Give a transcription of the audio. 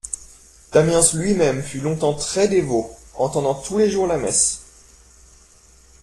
Damiens lui-même fut longtemps très-dévot, entendant tous les jours la messe.